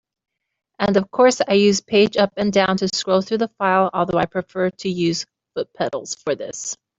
And of course I use page up and down to scroll through the file, although I prefer to use foot pedals for this.